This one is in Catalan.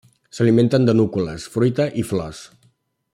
S'alimenten de núcules, fruita i flors.